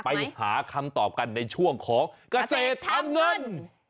ไปหาคำตอบกันในช่วงของเกษตรทำเงิน